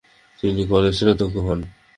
তিনি কলেজটির অধ্যক্ষ হন।